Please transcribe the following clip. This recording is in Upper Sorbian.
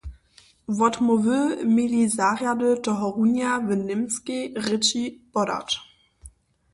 Wotmołwy měli zarjady tohorunja w němskej rěči podać.